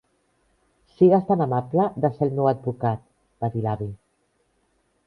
"Sigues tan amable de ser el meu advocat", va dir l'avi.